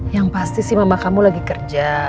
yang pasti sih mama kamu lagi kerja